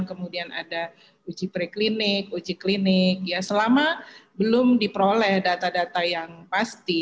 kemudian ada uji preklinik uji klinik ya selama belum diperoleh data data yang pasti